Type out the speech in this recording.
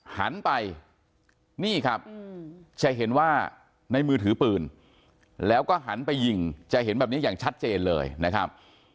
หันไปนี่ครับจะเห็นว่าในมือถือปืนแล้วก็หันไปยิงจะเห็นแบบนี้อย่างชัดเจนเลยนะครับ